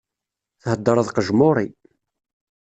Theddreḍ qejmuri!